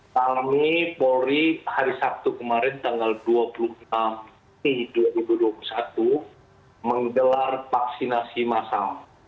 jadi kami polri hari sabtu kemarin tanggal dua puluh enam mei dua ribu dua puluh satu menggelar vaksinasi masam